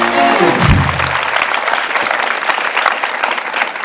โจรประกัน